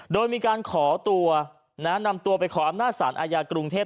โดยมีการขอตัวนำตัวไปขออำนาจสารอาญากรุงเทพ